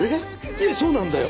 いやそうなんだよ！